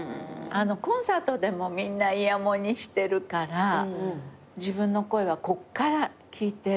コンサートでもみんなイヤモニしてるから自分の声はこっから聞いてるんだと思うのよね。